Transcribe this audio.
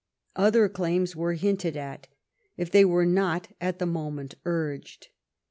Other claims were hinted at, if they were not at the moment urged.